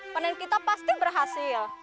mening kita pasti berhasil